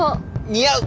似合う！